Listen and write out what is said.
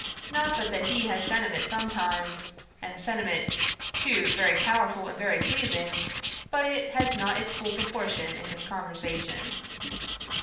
Not but that he has sentiment sometimes, and sentiment, too, very powerful and very pleasing: but it has not its full proportion in his conversation.'